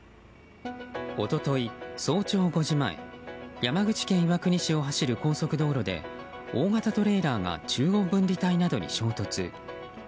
一昨日早朝５時前山口県岩国市を走る高速道路で大型トレーラーが中央分離帯などに衝突。